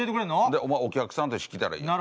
お前お客さんとして来たらいいやん。